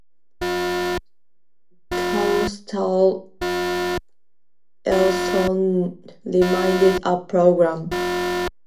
Coastal erosion remained a problem.